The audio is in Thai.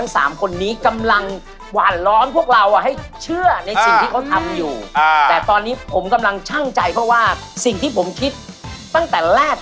ส่วนน้องชาม๑กับ๓ครับ